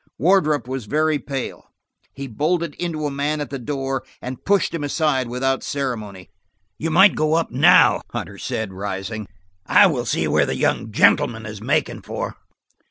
Wardrop was very pale; he bolted into a man at the door, and pushed him aside without ceremony. "You might go up now," Hunter said, rising. "I will see where the young gentleman is making for.